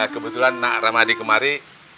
kebetulan nara madi kemari